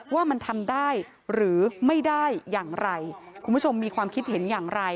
ว่ามันทำได้หรือไม่ได้อย่างไรคุณผู้ชมมีความคิดเห็นอย่างไร